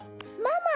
ママ！